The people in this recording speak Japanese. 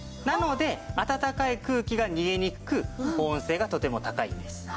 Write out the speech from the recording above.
なので暖かい空気が逃げにくく保温性がとても高いんです。